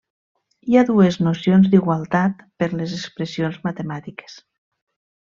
Hi ha dues nocions d'igualtat per les expressions matemàtiques.